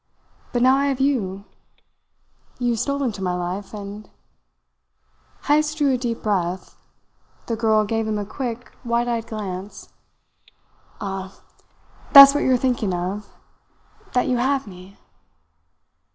But now I have you! You stole into my life, and " Heyst drew a deep breath. The girl gave him a quick, wide eyed glance. "Ah! That's what you are thinking of that you have me!"